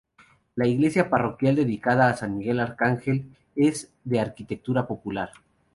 La iglesia parroquial, dedicada a San Miguel Arcángel, es de arquitectura popular.